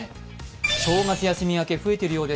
正月休み明け、増えているようです